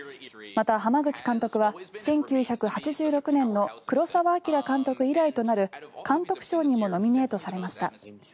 また、濱口監督は１９８６年の黒澤明監督以来となる監督賞にもノミネートされました。